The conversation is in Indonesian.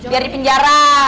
biar di penjara